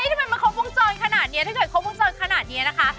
ทำไมมันครบวงจรขนาดนี้ถ้าเกิดครบวงจรขนาดนี้นะคะ